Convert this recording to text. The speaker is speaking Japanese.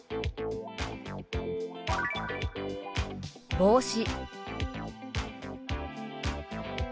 「帽子」。